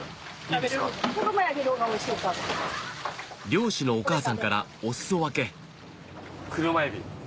漁師のお母さんからお裾分けクルマエビ。